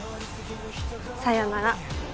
さようなら。